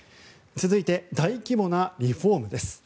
続いて大規模なリフォームです。